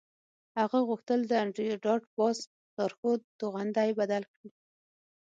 هغه غوښتل د انډریو ډاټ باس لارښود توغندی بدل کړي